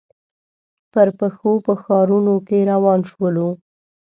پر پښو په ښارنو کې روان شولو.